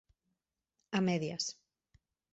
A medias.